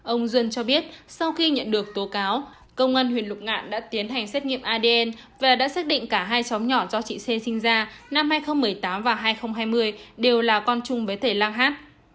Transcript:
ông duân cho biết sau khi nhận được tố cáo công an huyện lục ngạn đã tiến hành xét nghiệm adn và đã xác định cả hai xóm nhỏ do chị xê sinh ra năm hai nghìn một mươi tám và hai nghìn hai mươi đều là con chung với thầy lang hát